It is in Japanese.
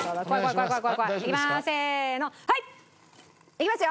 いきます。